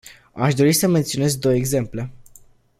Aș dori să menționez două exemple.